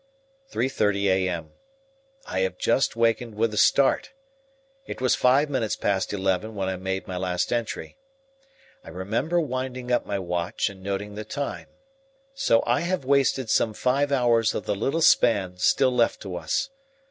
Three thirty a.m. I have just wakened with a start. It was five minutes past eleven when I made my last entry. I remember winding up my watch and noting the time. So I have wasted some five hours of the little span still left to us.